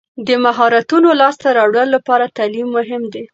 د مهارتونو لاسته راوړلو لپاره تعلیم مهم دی.